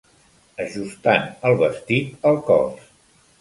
Ajustant el vestit al cos.